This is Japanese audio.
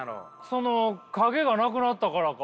その影がなくなったからか。